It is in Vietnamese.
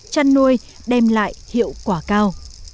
chăn nuôi đem lại hiệu quả cao